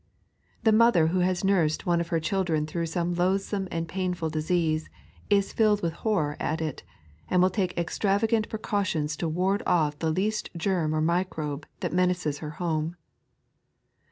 The mother who has nursed one of her children through some loathsome and painful disease is filled with horror at it, and will take extravagant pre cautions to ward off the least germ or microbe that menaces her home.